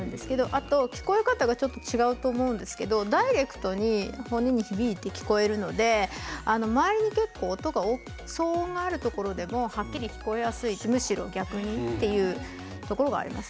あと聞こえ方がちょっと違うと思うんですけどダイレクトに骨に響いて聞こえるので周りに結構騒音があるところでもはっきり聞こえやすいむしろ逆にというところがあります。